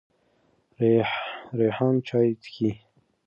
ریحانه چای څکې.